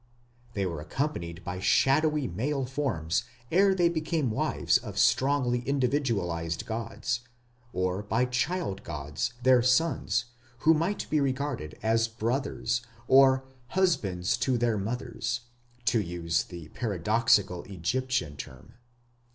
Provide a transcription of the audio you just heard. They were accompanied by shadowy male forms ere they became wives of strongly individualized gods, or by child gods, their sons, who might be regarded as "brothers" or "husbands of their mothers", to use the paradoxical Egyptian term.